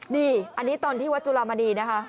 นี่อันนี้ตอนที่วัดจุลามณีนะคะ